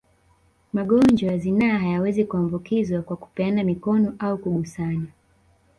Magonjwa ya zinaa hayawezi kuambukizwa kwa kupeana mikono au kugusana